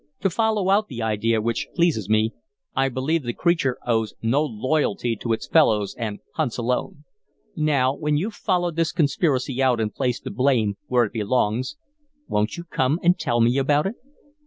To follow out the idea, which pleases me, I believe the creature owes no loyalty to its fellows and hunts alone. Now, when you've followed this conspiracy out and placed the blame where it belongs, won't you come and tell me about it?